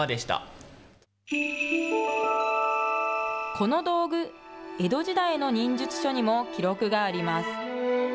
この道具、江戸時代の忍術書にも記録があります。